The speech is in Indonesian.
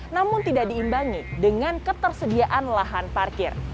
namun tidak diimbangi dengan ketersediaan lahan parkir